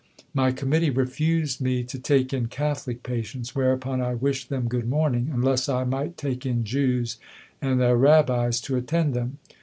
My Committee refused me to take in Catholic patients whereupon I wished them good morning, unless I might take in Jews and their Rabbis to attend them.